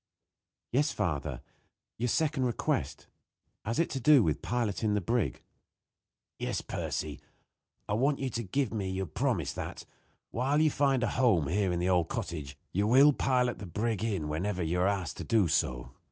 "Yes, father your second request. Has it to do with piloting the brig?" "Yes, Percy. I want you to give me your promise that, while you find a home here in the old cottage, you will pilot the brig in whenever you are asked to do so.